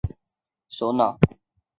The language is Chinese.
海地总理是海地共和国政府的首脑。